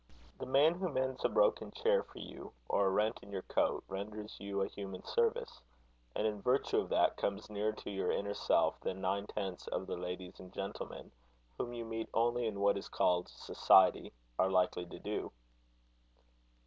The man who mends a broken chair for you, or a rent in your coat, renders you a human service; and, in virtue of that, comes nearer to your inner self, than nine tenths of the ladies and gentlemen whom you meet only in what is called society, are likely to do."